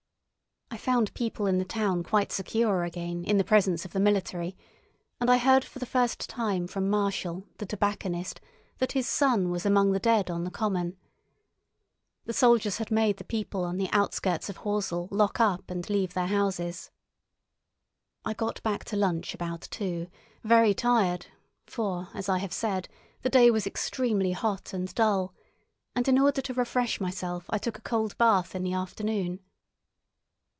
I found people in the town quite secure again in the presence of the military, and I heard for the first time from Marshall, the tobacconist, that his son was among the dead on the common. The soldiers had made the people on the outskirts of Horsell lock up and leave their houses. I got back to lunch about two, very tired for, as I have said, the day was extremely hot and dull; and in order to refresh myself I took a cold bath in the afternoon.